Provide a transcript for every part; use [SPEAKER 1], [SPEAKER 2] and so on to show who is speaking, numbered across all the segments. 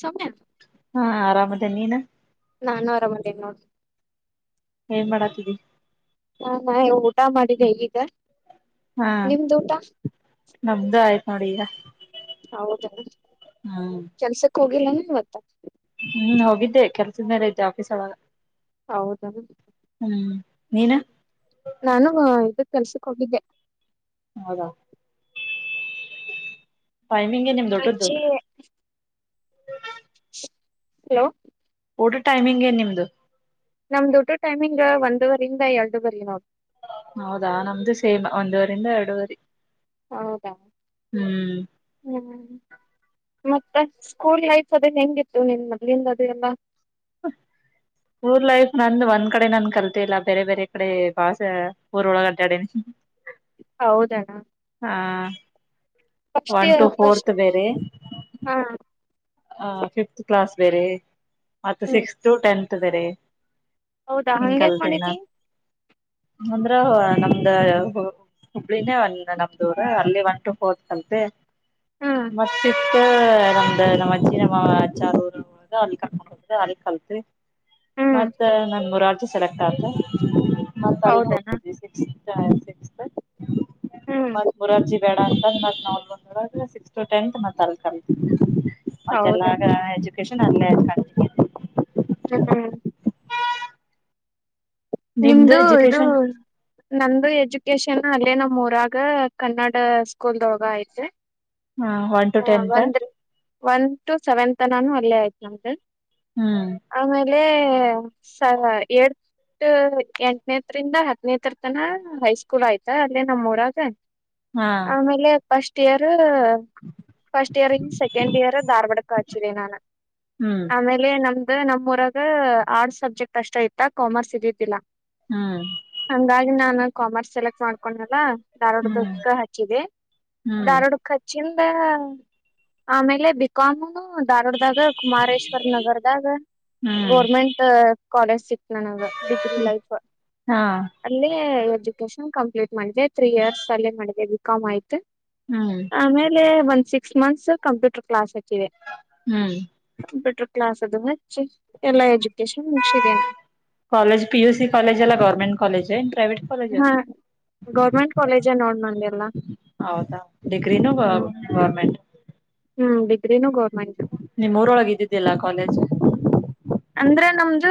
[SPEAKER 1] ಸಮಯ
[SPEAKER 2] ಹಾ ಆರಾಮದ ನೀನ್
[SPEAKER 1] ನಾನು ಅರಾಮಂದ ನೋಡಿ
[SPEAKER 2] ಏನ್ ಮಾಡಾತಿದಿ
[SPEAKER 1] ನಾಾ ಊಟ ಮಾಡಿದ್ದ ಹೇಗಗ
[SPEAKER 2] ಹಾ ನಮ್ದು ಆಯ್ತು ನೋಡಿ ಈಗ
[SPEAKER 1] ಹೌದ
[SPEAKER 2] ಹ್ಮ್
[SPEAKER 1] ಕೆಲ್ಸಕ್ ಹೋಗಿಲ್ಲವತ್ತ
[SPEAKER 2] ಹ್ಮ್ ಹೋಗಿದ್ದೆ ಕೆಲ್ಸದ ಮೇಲೆ ಐತೆ ಆಫೀಸ್ ಒಳಗ
[SPEAKER 1] ಹೌದ
[SPEAKER 2] ಹ್ಮ್ ನೀನ್
[SPEAKER 1] ನಾನು ಕರೆಸಿಕೊಂಡಿದ್ದೆ
[SPEAKER 2] ಹೌದಾ ಟೈಮಿಂಗ್ ಏನ್ ನಿಮ್ದು ಊಟದ್ದು
[SPEAKER 1] ಹಲೋ
[SPEAKER 2] ಊಟ ಟೈಮಿಂಗ್ ಏನ್ ನಿಮ್ದು
[SPEAKER 1] ನಮ ದುಡ್ಡು ಟೈಮಿಂಗ್ ಒಂದವರಿಂದ ಎರಡುವರಿ ನೋಡ
[SPEAKER 2] ಹೌದಾ ನಮ್ದು ಸೇಮ ಒಂದುವರಿಂದ ಎರಡುುವರಿ
[SPEAKER 1] ಹೌದಾ ಹ್ಮ ಮತ್ತೆ ಸ್ಕೂಲ್ ಲೈಫ್ ಅದೇ ಹೆಂಗಿತ್ತು ನಿನ್ ಮೊದ್ಲಿಂದ ಅದ ಎಲ್ಲ
[SPEAKER 2] ಹ ಊರ್ ಲೈಫ್ ನಂದು ಒಂದ್ ಕಡೆ ನನ್ ಕಲ್ತ ಇಲ್ಲ ಬೇರೆ ಬೇರೆ ಕಡೆ ಭಾಾಸ ಊರ ಒಳಗ ಅಡ್ಡಾಡ
[SPEAKER 1] ಹೌದಣ್ಣ
[SPEAKER 2] ಹಾ
[SPEAKER 1] first
[SPEAKER 2] one
[SPEAKER 1] year
[SPEAKER 2] to
[SPEAKER 1] first
[SPEAKER 2] fourth ಬೇರೆ
[SPEAKER 1] ಹಾ
[SPEAKER 2] ಆ ಫಿಫತ್ ಕ್ಲಾಸ್ ಬೇರೆ ಮ
[SPEAKER 1] ಹ್ಮ್
[SPEAKER 2] ಸಿಕ್ಸ್ತ್ ಟೆಂತ್ ಬೇರೆ
[SPEAKER 1] ಹೌದಾ
[SPEAKER 2] ಹಿಂಗ್
[SPEAKER 1] ಹಂಗ್ಯಾಕ್
[SPEAKER 2] ಕಲ್ತೇನ್ ನಾನ್
[SPEAKER 1] ಮಾಡಿದ್
[SPEAKER 2] ಅಂದ್ರ ನಮ್ದ ಹುಬ್ಳಿನೇ ಒಂದ ನಮ್ದೂರ ಅಲ್ಲಿ ಒಂಟು ಹೋದ್ ಕಲ್ತೆ
[SPEAKER 1] ಹ್ಮ್
[SPEAKER 2] ಮಸಿತ್ ನಂದು ನ ರ ಅಲ್ಲಿ ಕ ಅಲ್ಲಿ ಕಲ್ತ್
[SPEAKER 1] ಹ್ಮ್
[SPEAKER 2] ಮತ್ತ ನನ್ ಮೂರರ್ಜ ಸೆಲೆಕ್ಟ್ ಆದತ ಮತ್ತ ಅಲ್ಲಿ
[SPEAKER 1] ಹೌದಣ
[SPEAKER 2] ಹೋಗ್ವಿ ಸಿ
[SPEAKER 1] ಹ್ಮ್
[SPEAKER 2] ಮರಾರ್ಜಿ ಬೇಡ ಅಂತ ಮತ್ ನ ಸಿ ಟತ್ ಅ
[SPEAKER 1] ಹೌದ
[SPEAKER 2] ಮತ್ತೆಲ್ಲಾಗ ಎಜುಕೇಶನ್ ಅಲ್ಲೇಕತ
[SPEAKER 1] ಹ್ಮ್ ನಿಮ್ದು ಇದು ನಮ್ದು ಎಜುಕೇಶನ್ ಅಲ್ಲೇ ನಮ್ಮೂರಾಗ ಕನ್ನಡ ಸ್ಕೂಲ್ದ ಒೋಗ ಐತೆ
[SPEAKER 2] ಹಾ ಒನ್ ಟು
[SPEAKER 1] ಆ
[SPEAKER 2] ಟೆನ್ತ್
[SPEAKER 1] ಒಂದ್ ಒನ್ ಟು ಸೆವೆನ್ತ್ನಾನು ಅಲ್ಲೇ ಆಯತ್ ನಮ
[SPEAKER 2] ಹ್ಮ್
[SPEAKER 1] ಆಮೇ ಅ ಎಡ್ ಎಂಟನೇ ಹತ್ರರಿಂದ ಹತ್ತನೇತ್ರರ ತನ ಹೈಸ್ಕೂಲ್ ಆಯ್ತ ಅಲ್ಲೇ ನಮ್ಮೂಊರಾಗ
[SPEAKER 2] ಹಾ
[SPEAKER 1] ಆಮೇಲೆ first year first year second year Dharwad ಕ ಆಚಿದ್ದೇ ನಾನು
[SPEAKER 2] ಹ್ಮ್
[SPEAKER 1] ಆಮೇಲೆ ನಮ್ದ ನಮ್ ಊರಾಗ ಆರ್ಟ್ಸ್ ಸಬ್ಜೆಕ್ಟ್ ಅಷ್ಟ ಇತ್ತ ಕಾಮರ್ಸ್ ಇದತಿಿಲ್ಲ
[SPEAKER 2] ಹ್ಮ್
[SPEAKER 1] ಹಂಗಾಗಿ ನಾನು ಕಾಮರ್ಸ್ ಸೆಲೆಕ್ಟ್ ಮಾಡ್ಕೊಂಡಲ್ಲ
[SPEAKER 2] ಹ್ಮ್
[SPEAKER 1] ಧಾರ್ವಾಡಕಕ್ಕ ಹಚ್ಚಿದೆ
[SPEAKER 2] ಹ್ಮ್
[SPEAKER 1] ಧಾರ್ವಾಡಕ್ ಹಚ್ಚಿ ದ ಆಮೇಲೆ ಬಿಕಾಮ್ ಧಾರವಾಡದಾಗ ಕುಮಾರೇಶ್ವರ್ ನಗರದಾಗ
[SPEAKER 2] ಹ್ಮ್
[SPEAKER 1] ಗೋರ್ಮೆಂಟ್ ಕಾಲೇಜ್ ಸಿಕ್ ನನಗ ಡಿಗ್ರಿ ಲೈಫ್
[SPEAKER 2] ಹಾ
[SPEAKER 1] ಅಲ್ಲಿ ಎಜುಕೇಶನ್ ಕಂಪ್ಲೀಟ್ ಮಾಡಿದೆ ತ್ರೀ ಇಯರ್ಸ್ ಅಲ್ಲೇ ಮಾಡಿದೆ ಬಿಕಾಮ್ ಆಯ್ತು
[SPEAKER 2] ಹ್ಮ್
[SPEAKER 1] ಆಮೇಲೆ ಒಂದ್ ಸಿಕ್ಸ್ ಮಂತ್ಸ್ ಕಂಪ್ಯೂಟರ್ ಕ್ಲಾಸ್ ಆ
[SPEAKER 2] ಹ್ಮ್
[SPEAKER 1] ಕಂಪ್ಯೂಟರ್ ಕ್ಲಾಸ್ ಅದು ಹಚ್ಚಿ. ಎಲ್ಲಾ ಎಜುಕೇಶನ್ ಮುಗಸಿದೀನೆ.
[SPEAKER 2] ಕಾಲೇಜ ಪಿಯುಸ ಕಾಲೇಜ ಅಲ್ಲ government college and private college.
[SPEAKER 1] ಹಾ ಗೌರ್ಮೆಂಟ್ ಕಾಲೇಜ ನೋಡ್ ಬಂದಲ್ಲ.
[SPEAKER 2] ಹೌದಾ ಡಿಗ್ರ ನ ಬ ಗರ್ಮಂಟ್.
[SPEAKER 1] ಹ್ಮ್ ಬಿದ್ರನು ಗೋ.
[SPEAKER 2] ನಿಮ್ಮ್ ಊರೊಳಗೆ ಇದ್ದಿದ್ದಲ್ಲಾ ಕಾಲೇಜ್
[SPEAKER 1] ಅಂದ್ರೆ ನಮ್ದು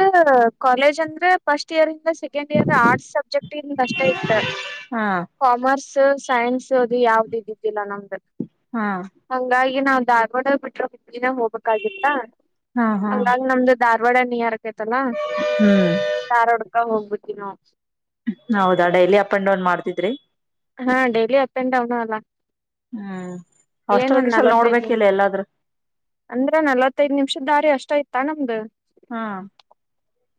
[SPEAKER 1] ಕಾಲೇಜ್ ಅಂದ್ರೆ first year. Second year arts subject ಕಷ್ಟ ಇತ
[SPEAKER 2] ಹಾ
[SPEAKER 1] ಕಾಮರ್ಸ್. ಸೈನ್ಸ್ ಅದು ಯಾವ್ದ ಇದಿಲ್ಲ ನಮ್ದ
[SPEAKER 2] ಹಾ
[SPEAKER 1] [inaudible] ಅಂಗಾಗಿ ಈಗ ನಾವು ಧಾರವಾಡ ಬಿಟ್ರ [unintelligible] ದಿನ ಹೋಗ್ಬೇಕಾಗಿತ್ತ
[SPEAKER 2] ಹಾ ಹಾ
[SPEAKER 1] ಹಂಗಾಗಿ ನಮ್ದು ಧಾರವಾಡ ನಿಯರ್. ಆತಲ್ಲ
[SPEAKER 2] ಹ್ಮ್
[SPEAKER 1] [inaudible] ಧಾರವಾಡ ಹೋಗ್ಬಿಡ್ತೀವಿ ನಾವು
[SPEAKER 2] ಹೌದಾ ಡೈಲಿ ಅಪ್ ಅಂಡ್ ಡೌನ್ ಮಾಡ್ತಿದ್ರಿ
[SPEAKER 1] ಹಾ ಡೈಲಿ ಅಪ್ ಅಂಡ್ ಡೌನ್ ಅಲ್ಲ.
[SPEAKER 2] ಹ್ಮ್
[SPEAKER 1] ಏನ್
[SPEAKER 2] ಹಾಸ್ಟೆಲ್
[SPEAKER 1] ಒಂದ್
[SPEAKER 2] ಗಿಸ್ಟಲ್
[SPEAKER 1] ನಲ್ವತ್ತೈದ್ ನಿಮ್
[SPEAKER 2] ನೋಡ್ಬೇಕಿಲ್ಲ ಎಲ್ಲಾದ್ರೂ.
[SPEAKER 1] ಅಂದ್ರ ನಲ್ಲವತ್ತೈದ್ ನಿಮಿಷದ ದಾರಿ ಅಷ್ಟ ಇತೈ ನಮ್ದು.
[SPEAKER 2] ಹಾ.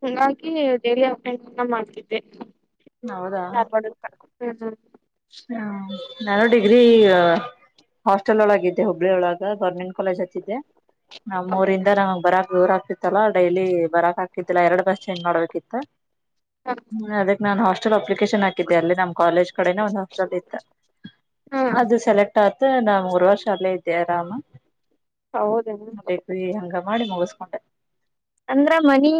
[SPEAKER 1] ಹಂಗಾಗಿ ಡೈಲಿ ಅಪ್ ಅಂಡ್ ಡೌನ್ ನೆ ಮಾಡ್ತಿದೆ [inaudible] ಧಾರವಾಡಿಂದ ಹ್ಮ್ ಹ್ಮ್.
[SPEAKER 2] ಹಾ ನಾನು ಡಿಗ್ರಿ ಹಾಸ್ಟೆಲ್ [inaudible] ಒಳಗಿದ್ದೆ. ಹುಬ್ಬಳ್ಳಿ ಒಳಗ ಗವರ್ಮೆಂಟ್ ಕಾಲೇಜ್ ಹತ್ತಿದೆ ನಮ್ಮರಿಂದ ನಮ್ ಬರ ದೂರ ಆಗ್ತ. ಡೈಲಿ ಬರಕ್ ಹಾಕಿತ್ತಲ್ಲ ಎರಡ್ ಬಸ್ ಚೇಂಜ್ ಮಾಡಬೇಕಿತ್ತ. ಹ್ಮ್ ಅದಕ್ ನಾನ್ ಹಾಸ್ಟೆಲ್ ಅಪ್ಲಿಕೇಶನ್ ಹಾಕಿದ್ದೆ ಅಲ್ಲಿ ನಮ್ಮ್ ಕಾಲೇಜ್ ಕಡೆನ
[SPEAKER 1] ಹಾ
[SPEAKER 2] [inaudible] ಅದು ಸೆಲೆಕ್ಟ ಆತ ನಾ ಮೂರುವರ್ಷ ಅಲ್ಲೇ ಇದ್ದೆ ಆರಾಮ.
[SPEAKER 1] ಹೌದೇನು
[SPEAKER 2] [unintelligible] ಹಂಗ ಮಾಡಿ ಮುಗಿಸಕೊಂಡೆ.
[SPEAKER 1] ಅಂದ್ರ ಮನಿ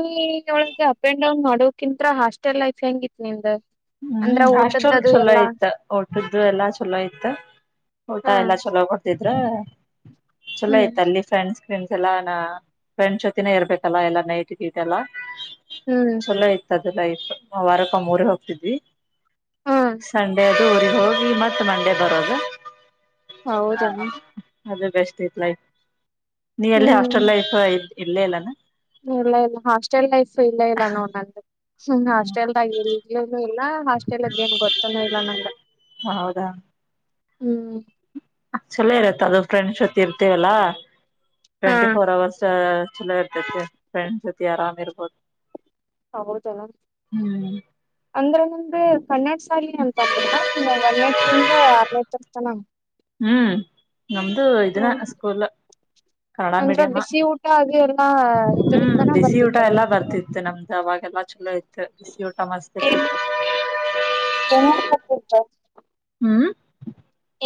[SPEAKER 1] ಒಳಗೆ ಅಪ್ ಅಂಡ್ ಡೌನ್ ಮಾಡೋಕಿಂತ ಹಾಸ್ಟೆಲ್ ಲೈಫ್ ಹೆಂಗಿ ನಿಮ್ದ.
[SPEAKER 2] ಹ್ಮ್ ಹಾಸ್ಟೆಲ್ ಚಲೋ ಇತ್ತು ಊಟದು ಎಲ್ಲಾ ಚಲೋ ಇತ್ತು ಊಟ
[SPEAKER 1] ಹಾ
[SPEAKER 2] ಎಲ್ಲಾ ಚಲೋ ಕೊಡ್ತಿದ್ರ [inaudible] ಚಲೋ
[SPEAKER 1] ಹ್ಮ್
[SPEAKER 2] ಇತ್ತು ಅಲ್ಲಿ ಫ್ರೆಂಡ್ಸ್. ಫ್ರೆಂಡ್ಸ್ ಎಲ್ಲಾ ನ ಫ್ರೆಂಡ್ಸ್ ಜೊತ ಇರ್ಬೇಕಲ್ಲಾ ಎಲ್ಲಾ ನೈಟ್ ಗಿಟ ಎಲ್ಲಾ.
[SPEAKER 1] ಹ್ಮ್.
[SPEAKER 2] ವಾರಕೊಮ್ಮೆ ಊರಿಗೆ ಹೋಗತಿದ್ವಿ [inaudible]
[SPEAKER 1] ಹಾ
[SPEAKER 2] ಸಂಡೆ ಅದು ಹೋಗಿ ಮತ್ತ್ ಮಂಡೆ ಬರದು
[SPEAKER 1] ಹೌದನ
[SPEAKER 2] ಅದೇ ಬೆಸ್ಟ್ [unintelligible] ನೀ ಎಲ್ಲಿ
[SPEAKER 1] ಹ್ಮ್
[SPEAKER 2] ಹಾಸ್ಟೆಲ್ ಲೈಫ್ ಇಲ್ಲೇ ಇಲ್ಲಾನ.
[SPEAKER 1] ಇಲ್ಲ ಇಲ್ಲ ಹಾಸ್ಟೆಲ್ ಲೈಫ್ ಇಲ್ಲ ಇಲ್ಲ ನೋಡ ನಂದು ಹ್ಮ್ ಹಾಸ್ಟೆಲ್ದಾಗ ಇನು ಎಲ್ಲಾ. ಹಾಸ್ಟೆಲ್ದ ಏನ್ ಗೊತ್ತನ ಇಲ್ಲ ನಂಗ
[SPEAKER 2] ಹೌದಾ
[SPEAKER 1] [inaudible] ಹ್ಮ್.
[SPEAKER 2] ಚಲೋ ಇರತ್ತ ಅದು ಫ್ರೆಂಡ್ಸ್ ಜೊತೆ ಇರ್ತೇವಲ್ಲ. ಟ್ವೆಂಟಿ ಫೋರ್ ಅವರ್ಸ್ ಚಲೋ ಇರ್ತತಿ ಫ್ರೆಂಡ್ಸ್ ಜೊತೆ ಆರಾಮ್ ಇರ್ಬೋದು.
[SPEAKER 1] ಹೌದ [inaudible]
[SPEAKER 2] ಹ್ಮ್
[SPEAKER 1] ಅಂದ್ರೆ ನಂಗ ಕನ್ನಡ ಸಾಲಿ ಅಂತ ಅಂದೇನ ನೀನು ಒಂದನೇತ್ರರಿಂದ ಆರನೇತ್ರರ ತನ.
[SPEAKER 2] ಹ್ಮ್ ನಮ್ದು ಇದನ್ನ
[SPEAKER 1] ಹ್ಮ್
[SPEAKER 2] ಸ್ಕೂಲ್. ಕನ್ನಡ
[SPEAKER 1] ಅಂದ್ರ
[SPEAKER 2] ಮೀಡಿಯಮ [inaudible]
[SPEAKER 1] ಬಿಸಿ ಊಟ ಅದು ಎಲ್ಲಾ
[SPEAKER 2] ಹ್ಮ್
[SPEAKER 1] ಇದರಿಂದನ
[SPEAKER 2] ಬಿಸಿ ಊಟ
[SPEAKER 1] ಬರ್ತಿತ್ತ
[SPEAKER 2] ಎಲ್ಲಾ
[SPEAKER 1] ನಮ
[SPEAKER 2] ಬರ್ತಿತ್ತು ನಮ್ದು ಅವಾಗೆಲ್ಲಾ. ಚಲೋ ಇತ್ತು ಬಿಸಿ ಊಟ ಮಸ್ತ
[SPEAKER 1] ಏನ್
[SPEAKER 2] ಇರ್ತಿತ್ತ್
[SPEAKER 1] [unintelligible]
[SPEAKER 2] ಹ್ಮ್.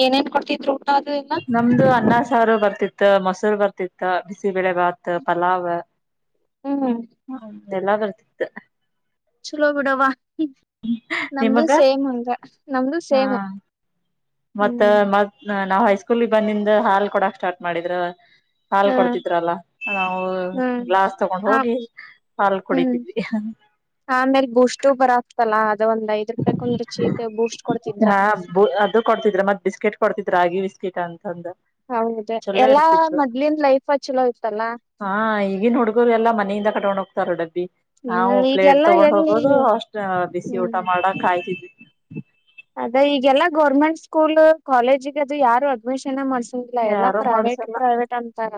[SPEAKER 1] ಏನೇನ್ ಕೊಡ್ತಿದ್ರು. ಅದು ಎಲ್ಲ
[SPEAKER 2] ನಮ್ದು ಅನ್ನ ಸಾರು ಬರ್ತಿತ್ತು. ಮೊಸೂರು ಬರ್ತಿತ್ತ ಬಿಸಿಬೇಳೆ ಭಾತ್ ಪಲಾವ್.
[SPEAKER 1] ಹ್ಮ್.
[SPEAKER 2] ಎಲ್ಲಾ ಬರ್ತಿತ್ತು.
[SPEAKER 1] ಚಲೋ ಬಿಡವ್ವ ನಮ್ದು
[SPEAKER 2] ನಿಮಗ
[SPEAKER 1] ಸೇಮ್ ಅಂಗ ನಮ್ದು
[SPEAKER 2] ಹ
[SPEAKER 1] ಸೇಮ್
[SPEAKER 2] ಮತ್ತ
[SPEAKER 1] ಹ್ಮ್
[SPEAKER 2] ಮತ್ತ್ ನಾವ್ ಹೈಸ್ಕೂಲ್ ಬಂದಿಂದ ಹಾಲ್ ಕೊಡಕ್ ಸ್ಟಾರ್ಟ್ ಮಾಡಿದ್ರ ಹಾಲ್
[SPEAKER 1] ಹಾ
[SPEAKER 2] ಕೊಡ್ತಿದ್ರಲ್ಲ ನಾವು
[SPEAKER 1] ಹ್ಮ್
[SPEAKER 2] ಗ್ಲಾಸ್ ತಗೊಂಡ್
[SPEAKER 1] ಹ
[SPEAKER 2] ಹೋಗಿ ಹಾಲ್ ಕುಡಿತಿದ್ವಿ
[SPEAKER 1] ಆಮೇಲೆ ಬೋಟ್ಸ್ ಬರ ಆಗ್ತಲ್ಲಾ ಅದ ಒಂದ್ ರೂಪಾಯಕ್ ಒಂದ್ರ ಚೀಟ್ ಬೂಸ್ಟ್ ಕೊಡ್ತಿದ್ರ
[SPEAKER 2] ಹಾ ಅದು ಕೊಡ್ತಿದ್ರ ಮತ್ ಬಿಸ್ಕೆಟ್ ಕೊಡ್ತಿದ್ರ ರಾಗಿ ಬಿಸ್ಕೆಟ್ ಅಂತ [unintelligible]
[SPEAKER 1] ಹೌದ ಎಲ್ಲಾ ಮೊದ್ಲಿನ ಲೈಫ್ ಚಲೋ ಇತ್ತಲ್ಲಾ
[SPEAKER 2] ಹಾ ಈಗನ್ ಹುಡ್ಗರು ಎಲ್ಲಾ ಮನೆಯಿಂದ ಕಟ್ಕೊಂಡ್ ಹೋಗ್ತಾರ ಡಬ್ಬಿ ನಾವು
[SPEAKER 1] ಹ್ಮ್
[SPEAKER 2] ಪ್ಲೇಟ್
[SPEAKER 1] ಈಗೆಲ್ಲಾ
[SPEAKER 2] ತಗೊಂಡ್
[SPEAKER 1] ಎಲ್ಲಿ
[SPEAKER 2] ಹೋಗೋದು ಅಷ್ಟ್ ಬಿಸಿ
[SPEAKER 1] ಹ್ಮ್
[SPEAKER 2] ಊಟ ಮಾಡ ಕಾಯ್ತಿದ್ವಿ
[SPEAKER 1] ಅದ ಈಗೆಲ್ಲಾ ಗೌರ್ಮೆಂಟ್ ಸ್ಕೂಲ್ ಕಾಲೇಜಗ ಅದು ಯಾರು ಅಡ್ಮಿಷನ್ ಮಾಡ್ಸ ಲ್ಲ ಎಲ್ಲ
[SPEAKER 2] ಯಾರು
[SPEAKER 1] ಪ್ರೈವೇಟ್
[SPEAKER 2] ಮಾಡ್ಸಲ್ಲ
[SPEAKER 1] ಪ್ರೈವೇಟ್ ಅಂತಾರ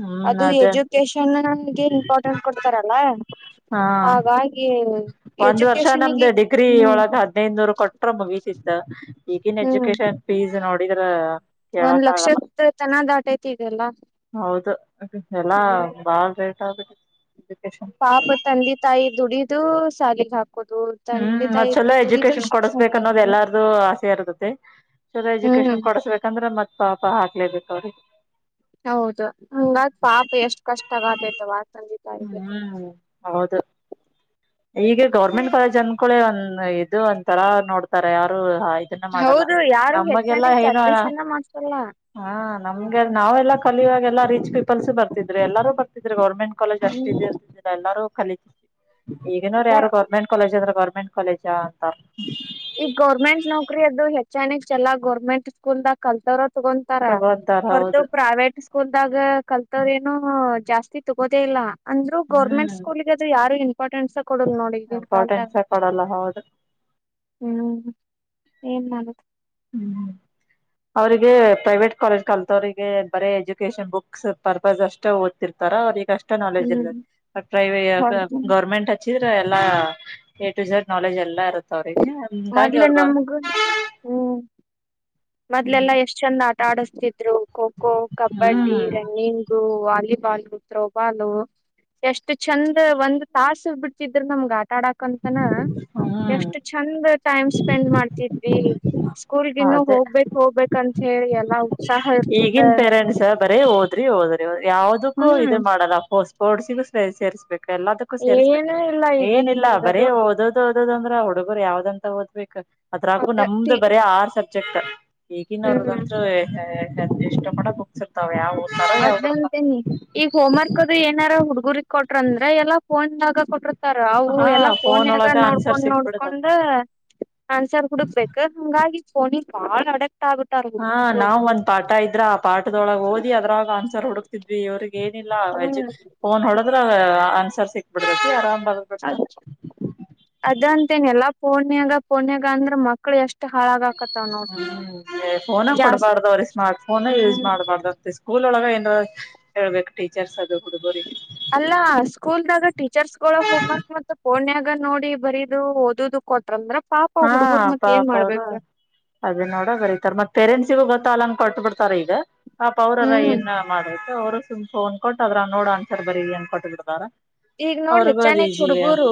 [SPEAKER 2] ಹ್ಮ್
[SPEAKER 1] ಅದು
[SPEAKER 2] ಅದೇ
[SPEAKER 1] ಎಜುಕೇಶನ್ ನನ್ಗೆ ಇಂಪಾರ್ಟೆಂಟ್ ಕೊಡ್ತಾರಲ್ಲ
[SPEAKER 2] ಹಾ
[SPEAKER 1] ಹಾಗ ಹಾಗೆ
[SPEAKER 2] ಒಂದ್ ವರ್ಷ ನಮ್ದ್ ಡಿಗ್ರಿ ಒಳಗ ಹದ್ನೈದ್ ನೂರ್ ಕೊಟ್ರ ಮುಗೀತಿಿದ್ದ ಈಗನ್
[SPEAKER 1] ಹ್ಮ್
[SPEAKER 2] ಎಜುಕೇಶನ್ ಫೀಸ್ ನೋಡಿದ್ರ
[SPEAKER 1] ಒಂದ್
[SPEAKER 2] ಕೇಳಕ್ ಆಗಲ್ಲ
[SPEAKER 1] ಲಕ್ಷದ ತನ ದಾಟೈತಿ ಈಗೆಲ್ಲ
[SPEAKER 2] ಹೌದು ಎಲ್ಲಾ
[SPEAKER 1] ಹ್ಮ್
[SPEAKER 2] ಬಾಳ್ ರೇಟ್ ಆ
[SPEAKER 1] ಪಾಪ ತಂದಿ ತಾಯಿ ದುಡಿದು ಸಾಲಿಗೆ ಹಾಕ
[SPEAKER 2] ಹ್ಮ್ ಮತ್ ಚಲೋ ಎಜುಕೇಶನ್
[SPEAKER 1] ಶಿಕ್ಷಣಕ್
[SPEAKER 2] ಕೊಡಸ್ಬೇಕನ್ನೋದ
[SPEAKER 1] ಹಾಕುದು
[SPEAKER 2] ಎಲ್ಲಾರ್ದು ಆಸೆ ಇರ್ತತ್ತತೆ ಚೊಲಾ
[SPEAKER 1] ಹ್ಮ್
[SPEAKER 2] ಎಜುಕೇಶನ್ ಕೊಡಸ್ಬೇಕಂದ್ರೆ ಮತ್ತ ಪಾಪ ಹಾಕ್ಲೇಬೇಕ ಅವ್ರಿಗೆ
[SPEAKER 1] ಹೌದು ಹಂಗಾದ ಪಾಪ ಎಷ್ಟ್ ಕಷ್ಟ ಆಗತೈತವ
[SPEAKER 2] ಹ್ಮ್ ಹೌದು ಈಗ ಗೌರ್ಮೆಂಟ್ ಕಾಲೇಜ್ ಅನ್ಕಳೆ ಒಂದ್ ಇದು ಒಂ ತರ ನೋಡ್ತಾರೆ ಯಾರು ಹಾ ಇದನ್ನ ಮಾಡಲ್ಲ
[SPEAKER 1] ಹೌದು ಯಾರು
[SPEAKER 2] ನಮಗೆಲ್ಲಾ
[SPEAKER 1] ಹೆಚ್ಚಾನೆಚ್
[SPEAKER 2] ಏನುಣ
[SPEAKER 1] ಅಡ್ಮಿಷನ್ ಮಾಡ್ಸಲ್ಲ
[SPEAKER 2] ಹಾ ನಮ್ಗೆ ನಾವೆಲ್ಲ ಕಲಿ ಇಾಗೆಲ್ಲಾ ರಿಚ್ ಪೀಪಲ್ಸ್ು ಬರ್ತಿದರು ಎಲ್ಲಾರೂ ಬರ್ತಿದ್ ಗರ್ೆಂಟ್ ಕಾಲೇಜ್ ಅಷ್ಟ
[SPEAKER 1] ಹ್ಮ್
[SPEAKER 2] ಇದ ಇರ್ತಿದಿಲ್ಲ ಎಲ್ಲರೂ ಕಖಲಿ ಈಗಿನೋ
[SPEAKER 1] ಅದ
[SPEAKER 2] ಯಾರು ಗೌರ್ಮೆಂಟ್ ಕಾಲೇಜ್ ಅಂದ್ರ ಗೌರ್ಮೆಂಟ್ ಕಾಲೇಜ ಅಂತ
[SPEAKER 1] ಈಗ ಗೌರ್ಮೆಂಟ್ ನೌಕರಿ ಅದುು ಹೆಚ್ಚನಿಕ್ ಚಲ ಗೌರ್ಮೆಂಟ್ ಸ್ಕೂಲ್ದಾಗ ಕಲ್ತಾವ್ರ ತಗೊಂತಾರ
[SPEAKER 2] ತಗೊಂತಾರ ಹೌದು
[SPEAKER 1] ಹೊರದು ಪ್ರೈವೇಟ್ ಸ್ಕೂಲ್ದಾಗ ಕಲ್ತದ ಏನೋ ಜಾಸ್ತಿ ತಗೋದೇ ಇಲ್ಲ ಅಂದ್ ಗರ್ಮೆಂಟ್
[SPEAKER 2] ಹ್ಮ್
[SPEAKER 1] ಸ್ಕೂಲ್ಗ್ರರು ಯಾರು ಇಂಪಾರ್ಟೆನ್ಸ ಕೊಡಲ್ ನೋಡಿ ಈನ್ ಕಾಲ್ ತ
[SPEAKER 2] ಇಂಪಾರ್ಟೆನ್ಸೇ ಕೊಡಲ್ಲ ಹೌದು
[SPEAKER 1] ಹ್ಮ್ ಏನ್ ಮಾಡುದು
[SPEAKER 2] ಹ್ಮ್ ಅವ್ರಿಗೆ ಪ್ರೈವೇಟ್ ಕಾಲೇಜ್ ಕಲ್ತವ್ರಿಗೆ ಬರ ಎಜುಕೇಶನ್ ಬುಕ್ಸ್ ಪರ್ಪಸ್ ಅಷ್ಟು ಓದ ಇರ್ತಾರ ಅವನಿಗೆಷ್ಟ ನಾಲೆಜ್ ಇರ್ತದೆ
[SPEAKER 1] ಹ್ಮ್
[SPEAKER 2] ಬ ಪ್ರೈವ
[SPEAKER 1] ಹೌದು
[SPEAKER 2] ಗೌರ್ಮೆಂಟ್ ಹಚ್ಚಿದ್ರೆ ಎಲ್ಲಾ ಿಸ ನಾಲೆಜ್ ಎಲ್ಲಾ ಇರುತ್ತ ಅವ್ರಿಗೆ ಹಂಗಾಗಿ
[SPEAKER 1] ಮೊದ್ಲ
[SPEAKER 2] ಅವ್ರಗ
[SPEAKER 1] ನಮ್ಗ
[SPEAKER 2] ಹ್ಮ್
[SPEAKER 1] ಮೊದಲೆಲ್ಲಾ ಎಷ್ಟ್ ಚಂದ ಆಟ ಆಡಸ್ತಿದ್ರು kho kho kabaddi running volleyball throwball ಎಷ್ಟು ಚಂದ ಒಂದ್ ತಾಸ ಬಿಡ್ತಿದ್ರರು ನಮ್ಗ ಆ ಆಟಾಡಕ್ಂತನ
[SPEAKER 2] ಹ್ಮ್
[SPEAKER 1] ಎಷ್ಟು ಚಂದ ಟೈಮ್ ಸ್ಪೆಂಡ್ ಮಾಡ್ತಿದ್ವಿ ಸ್ಕೂಲ್ಗಿನ್ನು ಹೋಗ್ಬೇಕಕ್ ಹೋಗ್ಬೇಕ ಅಂತ ಹೇಳಿ ಎಲ್ಲ
[SPEAKER 2] ಈಗನ್ ಪೇರೆಂಟ್ಸ್ ಬರೇ ಹಓದ್ರಿ ಹಓದ್ರಿ ಯಾವವುದಕ್ಕೂ
[SPEAKER 1] ಹ್ಮ್
[SPEAKER 2] ಇದು ಮಾಡಲ್ಲ ಸ್ಪೋರ್ಟ್ಸಿಗು ಸೇರಿಸಸ್ಬೇಕು ಎಲ್ಲದಕ್ಕೂ ಸೇರಿಸ್ಬೇಕು
[SPEAKER 1] ಏನು ಇಲ್ಲ ಈಗ
[SPEAKER 2] ಏನಿಲ್ಲ ಬರೀ
[SPEAKER 1] ಈಗದು
[SPEAKER 2] ಓದೋದು ಹದ ಅಂದ್ರ ಹುಡುಗರು ಯಾವ್ದಂತ ಓದ್ಬೇಕಕ್ ಅದ್ರಕು
[SPEAKER 1] ಒಟ್ಟ
[SPEAKER 2] ನಮ್ದ್ ಬರ ಆರ್ ಸಬ್ಜೆಕ್ಟ್ ಈಗಿನ
[SPEAKER 1] ಹ್ಮ್
[SPEAKER 2] ಅವ್ರದಂದ್ರೂ ಇಷ್ಟ ಪಕ್ ಮುಗ್ಸಿರ್ತಾವ ಯಾವ
[SPEAKER 1] ಅದ್ಂತೇನಿ ಈಗ ಹೋಮ್ ವರ್ಕ್ ಅದು ಏನಾರ ಹುಡ್ಗುರು ಕೊಟ್ರಂದ್ರೆ ಎಲ್ಲಾ ಫೋನ್ಾಗ ಕೊಟ್ರ ತರ್ ಅವು
[SPEAKER 2] ಹಾ
[SPEAKER 1] ಎಲ್ಲಾ ಫೋನ್ ಯಾಗ
[SPEAKER 2] ಒಳಗ ಆನ್ಸರ್
[SPEAKER 1] ನೋಡ್ಕೊಂಡ್
[SPEAKER 2] ಸಿಕ್ಬಿಡ್ತಾವ
[SPEAKER 1] ನೋಡ್ಕೊಂಡ್ ನನ್ಸರ್ ಹುಡುಕ್ಬೇಕೇಕ ಹಂಗಾಗಿಫೋನಿ ಬಾಳ ಆಡಕ್
[SPEAKER 2] ಹಾ ನಾವ್ ಒಂದ್ ಪಾಠ ಇದ್ರ ಆ ಪಾಠದೊಳಗೆ ಓದಿ ಅದ್ರಳಾಗ ಆನ್ಸರ್ ಹುಡುಕ್ತಿದ್ವಿ ಇವ್ರಿಗೆ ಏನಿಲ್ಲ
[SPEAKER 1] ಹ್ಮ್
[SPEAKER 2] ಫೋನ್ ಹೊಡದ್ರ ಆನ್ಸರ್ ಸಿಕ್ಬಿಡೈತಿ ಆರಾಮ್ ಬರ್ದ್ ಬಿಡ್ತಾರ
[SPEAKER 1] ಅದಂತೇನೆ ಎಲ್ಲ ಫೋನ್ಯಗ ಫೋನ್ಯಗ ಅಂದ್ರ ಮಕ್ಳು ಎಷ್ಟು ಅಳಾಗ
[SPEAKER 2] ಹ್ಮ್ ಫೋನ ಕೊಡ್ಬಾರ್ದವ್ರೀ ಸ್ಮಾರ್ಟ್ ಫೋನ ಯೂಸ್
[SPEAKER 1] ಹ್ಮ್
[SPEAKER 2] ಮಾಡ್ಬಾರ್ದ ಸ್ಕೂಲ್ ಒಳಗ ಹ ಹೇಳ್ಬೇಕು ಟೀಚರ್ಸ್ ಅ
[SPEAKER 1] ಅಲ್ಲ ಸ್ಕೂಲ್ದಾಗ ಟೀಚರ್ಸ್ಗಳು ಹೋಮ್ವರ್ಕ್ ಮತ್ತು ಪೋನ್ಯಗ್ ಈಗ ನೋಡಿ ಬರೀದು ಓದುದು ಕೊಟ್ರಂದ್ರ ಪಾಪ
[SPEAKER 2] ಹಾ
[SPEAKER 1] ಹುಡ್ಗುರ್ ಮತ್ ಏನ್
[SPEAKER 2] ಪಾಪಾ
[SPEAKER 1] ಮಾಡ್ಬೇಕ
[SPEAKER 2] ಅದು ನೋಡ ಬರಿತಾರ ಮತ್ತು ಪೇರೆಂಟ್ಸಿಗೂ ಗೊತ್ತ ಆಲ್ಲಂಗ ಕೊಟ್ಟ ಬಿಡ್ತಾರಾ ಈಗ, ಪಾಪ ಅವರರ
[SPEAKER 1] ಹ್ಮ್
[SPEAKER 2] ಏನ್ ಮಾಡೊದು. ಅವ್ರು ಸುಮ್ ಫೋನ್ ಕೊಟ್ಟ ಅದರಾಗ ನೋಡ ಆನ್ಸರ್ ಬರಿರೀ ಅಂತ ಕೊಟ್ಟು ಬಿಡ್ದಾರ.
[SPEAKER 1] ಈಗ ನೋಡ ಲೇ ಯಾಚನೆಚು ಹುಡುಗುರು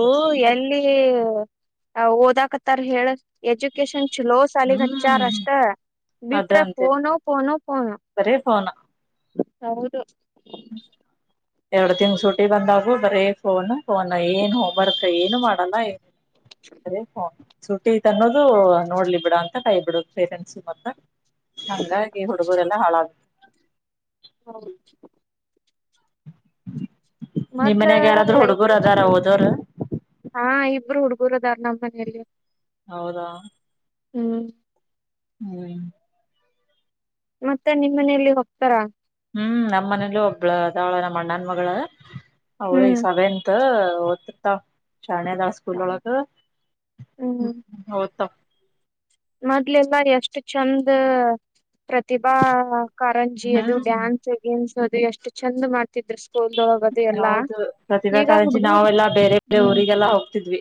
[SPEAKER 1] ಎಲ್ಲಿ ಓದಕ್ ತಾರ ಹೇಳ ಎಜುಕೇಶನ್ ಚೊಲೋ ಸಾಲಿಗೆ
[SPEAKER 2] ಹ್ಮ್
[SPEAKER 1] ಅಚಾರಷ್ಟ,
[SPEAKER 2] ಅದ
[SPEAKER 1] ಬಿಟ್ರ ಪನೋ ಪನೋ ಪನೋ.
[SPEAKER 2] ಲ [inaudible]
[SPEAKER 1] ಹೌದು.
[SPEAKER 2] ಎರಡು ತಿಂಗಳು ಸುಟಿ ಬಂದವು ಬರೀ ಫೋನ್. ಫೋನ್ ಏನ್ ಹೋಮ್ವರ್ಕ್ ಏನು ಮಾಡಲ್ಲ ಏ ಅದೇ ಫೋನ್ ಸುಟ್ಟಿ ಐತಿ ಅನ್ನೋದು ನೋಡ್ಲಿ ಬಿಡ ಅಂತ ಕೈಬಿಡೋದು ಪೇರೆಂಟ್ಸ್ ಮತ್ತ. ಹಂಗಾಗಿ ಹುಡುಗುರೆಲ್ಲಾ ಹಾಳಾದ್ರೂ
[SPEAKER 1] ಹೌದು
[SPEAKER 2] ನಿಮ್
[SPEAKER 1] ಮೊದ್ಲ
[SPEAKER 2] ಮನ್ಯಾಗ ಯಾರಾದ್ರೂ
[SPEAKER 1] ಲೈಫ್
[SPEAKER 2] ಹುಡುಗರು ಅದಾರ
[SPEAKER 1] ಚೊಲೋ ಇತ್ತ.
[SPEAKER 2] ಓದೋರು
[SPEAKER 1] ಆ ಇಬ್ರು ಹುಡುಗುರು ಅದಾರ್ ನಮ್ಮ್ ಮನೆಯಲ್ಲಿ
[SPEAKER 2] ಹೌದಾ.
[SPEAKER 1] ಹ್ಮ್ಮ್.
[SPEAKER 2] [inaudible]
[SPEAKER 1] ಮತ್ತೆ ನಿಮ್ಮ್ ಮನೆಯಲ್ಲಿ ಹೋಗ್ತಾರಾ
[SPEAKER 2] ಹೂಂ ನಮ್ಮನೇಲಿ ಒಬ್ಳ ಅದಳ ನಮ್ಮ ಅಣ್ಣನ ಮಗಳ ಅವಳು
[SPEAKER 1] ಹ್ಮ್
[SPEAKER 2] ಸವೆಂತ ಶ್ಯಾಣೆ ಅದಾಳ ಸ್ಕೂಲ್ ಒಳಗೆ‌ ಓದ್ತಾಳ.
[SPEAKER 1] ಮೊದ್ಲೆಲ್ಲಾರ ಎಷ್ಟು ಚಂದ. ಪ್ರತಿಭಾ ಕಾರಂಜಿ ಅದು
[SPEAKER 2] ಹ್ಮ್
[SPEAKER 1] ಡ್ಯಾನ್ಸ್ ಗಿನ್ನಿಸ್ ಅದು ಎಷ್ಟು ಚಂದ್ ಮಾಡ್ತಿದ್ರು ಸ್ಕೂಲ್. ದು ಎಲ್ಲಾ
[SPEAKER 2] ಹೌದು ಪ್ರತಿಭಾ
[SPEAKER 1] ಈಗ
[SPEAKER 2] ಕಾರಂಜಿ
[SPEAKER 1] ಹುಡ್ಗೂರು
[SPEAKER 2] ನಾವೆಲ್ಲಾ ಬೇರೆ ಬೇರೆ
[SPEAKER 1] ಹ್ಮ್
[SPEAKER 2] ಊರಿಗೆಲ್ಲಾ ಹೋಗ್ತಿದ್ವಿ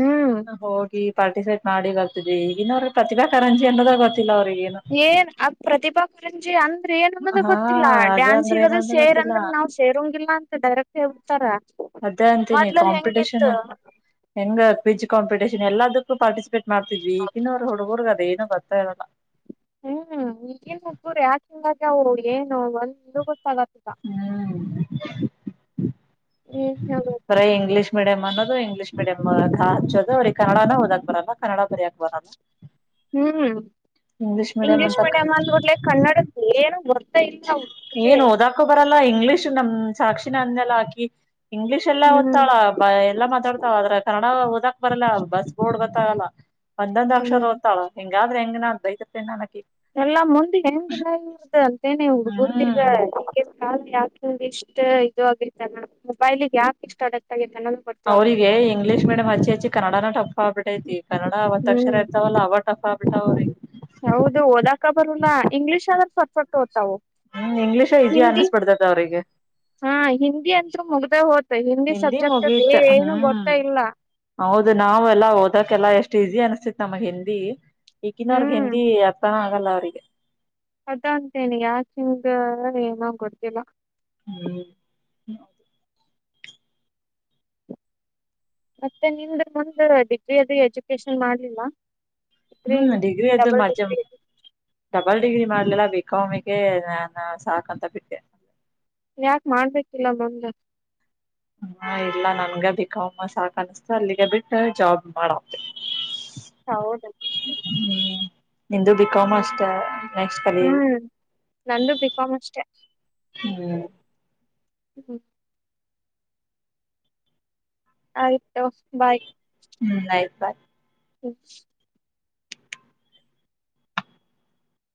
[SPEAKER 1] ಹ್ಮ್
[SPEAKER 2] ಹೋಗಿ ಪಾರ್ಟಿಸಿಪೇಟ್ ಮಾಡಿ ಆರ್ತಿದ್ವಿ ಈಗಿನ ಅವ್ರ ಪ್ರತಿಭಾ ಕಾರರಂಜಿ ಅನ್ನೋದ ಗೊತ್ತಿಲ್ಲ. ಅವ್ರಿಗೇನು
[SPEAKER 1] ಏನ್ ಆ ಪ್ರತಿಭಾ ಕುರಂಜಿ ಅಂದ್ರೆ ಏನು ಅನ್ನೋದು
[SPEAKER 2] ಹಾ
[SPEAKER 1] ಗೊತ್ತಿಲ್ಲ
[SPEAKER 2] ಅದೇ ಅಂದ್ರೆ
[SPEAKER 1] ಡ್ಯಾನ್ಸೆಸಿಗದು
[SPEAKER 2] ಏನಂತ
[SPEAKER 1] ಸೇರಿ.
[SPEAKER 2] ಗೊತ್ತಿಲ್ಲ
[SPEAKER 1] ಇಂದ್ರ ನಾವ್ ಸೇರಂಗಿಲ್ಲಾ ಅಂತ ಡೈರೆಕ್ಟ್ ಹೇಡ್ತಾರ
[SPEAKER 2] ಅದೇ ಅಂತೀನಿ
[SPEAKER 1] ಮೊದ್ಲಲ್ಲಿ
[SPEAKER 2] ಕಾಂಪಿಟೇಷನ್
[SPEAKER 1] ಹೆಂಗಿತ್ತು
[SPEAKER 2] ಹೆಂಗ ಕ್ವಿಜ್ ಕಂಪಟಷನ್ ಎಲ್ಲಾದ ಪರಿಸಿಪೇಟ್ ಗೊತ್ತಾ ಇರಲ್ಲ
[SPEAKER 1] ಹ್ಮ್ ಈಗೇನ್ ಹುಡುಗ್ರು ಯ ಹಓಗೆ ನೋವಲ್ ಇೂ ಗೊತ್ತಾಗತ್ಗ
[SPEAKER 2] ಹ್ಮ್
[SPEAKER 1] ಹ್ಮ ಹ
[SPEAKER 2] ಬರ ಇಂಗ್ಲಷ ಮೀಡಿಯಂ್ ಅನ್ನೋದು ಇಂಗ್ಲೀಷ ಮೀಡಿಯಂ್ ಹಚ್ಚೋದು ಅವ್ರಿಗೆ ಕನ್ನಡನ ಓದಕ್ ಬರಲ್ಲ ಕನ್ನಡ ಬರಯಕ ಬರಲ್ಲ
[SPEAKER 1] ಹ್ಮ್
[SPEAKER 2] ಇಂಗ್ಲಿಷ್ ಮೀಡಿಯಂ
[SPEAKER 1] ಇಂಗ್ಲೀಷ್
[SPEAKER 2] ಅಂತ
[SPEAKER 1] ಮೀಡಿಯಂ್ ಅಂದ್ಬಟ್ಲೆ ಕನ್ನಡದ ಏನ ಗೊತ್ತಿಲ್ಲ
[SPEAKER 2] ಏನ್ ಓದಾಕೊ ಬರಲ್ಲ ಇಂಗ್ಲಿೀಷ್ ನಮ್ ಸಾಕ್ಷಿಿನ ಅಂದೆಲ್ಲ ಹಾಕಿ ಇಂಗ್ಲಿಷ್ ಎಲ್ಲಾ
[SPEAKER 1] ಹ್ಮ್
[SPEAKER 2] ಓದ್ತಾಳ ಬ ಎಲ್ಲಾ ಮಾತಾಡ್ತಾವಳ ಆದ್ರ ಕನ್ನಡ ಓದಕ್ ಬರಲ್ಲ ಬಸ್ ಬೋರ್ಡ್ ಗೊತ್ತಾಗಲ್ಲ. ಒಂದೊಂದ್ ಅಕ್ಷರ
[SPEAKER 1] ಹ್ಮ್
[SPEAKER 2] ಓದ್ತಾಳ ಹೆಂಗಾದ್ರ ಹೆಂಗ ನ ಬೈದು ಬಿಡ್ತೀನಿ ನಾ ಅಕಿಗೆ
[SPEAKER 1] ಹುಡ್ಗುರ್ದಗ
[SPEAKER 2] ಹ್ಮ್
[SPEAKER 1] ಯಾಕಂಗ ಇಷ್ಟ್ ಇದು ಆಗರ್ತ್ತ ಮಡ್ ಮೊಬೈಲಿಗೆ ಯಾಕೆ ಇಷ್ಟ್ ಅಡಕ್ಟ್ ಆಗಿ
[SPEAKER 2] ಅವ್ರರಿಗೆ ಇಂಗ್ಲೀಷ್ ಮಡಿಯಂ ಹಚ್ಚಿ ಹಚ್ಚಿ ಕನ್ನಡನ ಟಫ್ ಆಗ್ಬಿಟೇತಿ ಕನ್ನಡ ವತ್ ಅಕ್ಷರ
[SPEAKER 1] ಹ್ಮ್
[SPEAKER 2] ಇರ್ತಾವಲ್ಲ ಅವ ಟಫ ಆಬಿಟ್ಟ ಅವ್ರಿಗೆ
[SPEAKER 1] ಹೌದು ಓದಾಕ ಬರಲ್ಲ ಇಂಗ್ಲಿಷ್ ಆದ್ರ ಫಟ್
[SPEAKER 2] ಹ್ಮ್ ಇಂಗ್ಲೀಷ ಈಸಿ
[SPEAKER 1] ಹಿಂದಿ
[SPEAKER 2] ಅನ್ಸ್ಬಿಡ್ತದ ಅವ್ರಿಗೆ
[SPEAKER 1] ಹ ಹಿಂದಿ ಅಂತ್ರು
[SPEAKER 2] ಹಿಂದಿ ಮುಗೀತ
[SPEAKER 1] ಗೊತ್ತ
[SPEAKER 2] ಹ್ಮ್
[SPEAKER 1] ಇಲ್ಲ
[SPEAKER 2] ಹೌದು ನಾವೆಲ್ಲ ಓದಕ್ಕೆೆಲ್ಲ ಎಷ್ಟ ಈಜಿ ಅನ್ಸ್ತಿತ್ ನಮಗ್ ಹಿಂದಿ ಈಕನ್ನ ಅವ್ರಗ್
[SPEAKER 1] ಹ್ಮ್
[SPEAKER 2] ಹಿಂದಿ ಅರ್ತನ ಆಗಲ್ಲ ಅವ್ರಿಗೆ
[SPEAKER 1] ಅದ ಅಂತೇನೆ ಯಾಕಿಂದ ಏನ ಗೊಡ್ತಿಲ್ಲ
[SPEAKER 2] ಹ್ಮ್
[SPEAKER 1] ಮತ್ತೆ ನಿಮ ಮುಂದ ಡಿಗ್ರಿ ಅದ ಎಜುಕೇಶನ್ ಮಾಡ್ಲಿಲ್ಲ ಡಿಗ್ರಿ
[SPEAKER 2] ಹ್ಮ್ ಡಿಗ್ರಿ ಅದ
[SPEAKER 1] ಡಬಲ್
[SPEAKER 2] ಮಾ
[SPEAKER 1] ಡಿಗ್ರಿ
[SPEAKER 2] ಅವಲ್ ಡಿಗ್ರಿ ಮಾಡ್ಲಿಲ್ಲ ಬಿಕಾಮಿಗೆ ನಾನು ಸಾಕಂತ ಬಿಟ್ಟೆ
[SPEAKER 1] ಯಾಕೆ ಮಾಡ್ಬೇಕಿಲ್ಲ ಮಮ
[SPEAKER 2] ಹಾ ಇಲ್ಲ ನನ್ಗ ಬಿಕಾಮ್ ಸಾಕ್ ಅನ್ಸತು ಅಲ್ಲಿಗೆ ಬಿಟ್ಟ ಜಾಬ್ ಮಾಡ ಹ್ಮ
[SPEAKER 1] ಹೌದ
[SPEAKER 2] ನಿಂದುು ಬಿಕಾಮ್
[SPEAKER 1] ಹ್ಮ್
[SPEAKER 2] ಅಷ್ಟ ನೆಕ್ಸ್ಟ್ ಕಲಿ
[SPEAKER 1] ಹ್ಮ್ ನಂದು ಬಿಕಾಮ್ ಅಷ್ಟೆ
[SPEAKER 2] ಹ್ಮ್
[SPEAKER 1] ಹ್ಮ್ ಆಯತೋ ಬಾಯ್
[SPEAKER 2] ಹ
[SPEAKER 1] [inaudible]